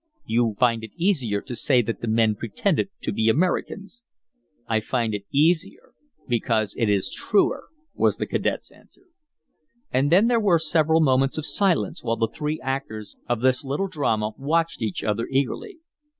"You find it easier to say that the men pretended to be Americans." "I find it easier because it is truer," was the cadet's answer. And then there were several moments of silence while the three actors of this little drama watched each other eagerly.